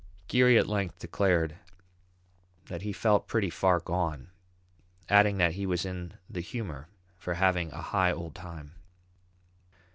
Geary at length declared that he felt pretty far gone, adding that he was in the humour for having "a high old time."